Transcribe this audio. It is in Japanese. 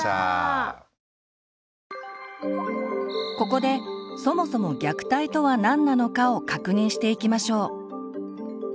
ここでそもそも虐待とは何なのか？を確認していきましょう。